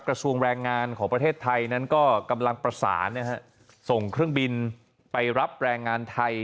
กระทรวงแรงงานของประเทศไทยนั้นก็กำลังประสานส่งเครื่องบินไปรับแรงงานไทย